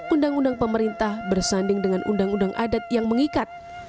undang undang pemerintah bersanding dengan undang undang adat yang mengikat